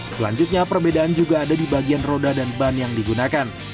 selanjutnya perbedaan juga ada di bagian roda dan ban yang digunakan